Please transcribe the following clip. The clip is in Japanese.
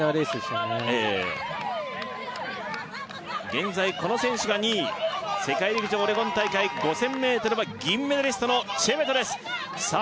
現在この選手が２位世界陸上オレゴン大会５０００ｍ銀メダリストのチェベトですさあ